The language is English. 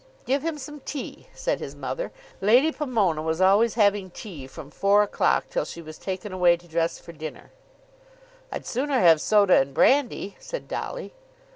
"Give him some tea," said his mother. Lady Pomona was always having tea from four o'clock till she was taken away to dress for dinner. "I'd sooner have soda and brandy," said Dolly.